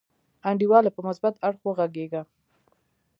انډیواله په مثبت اړخ وغګیږه.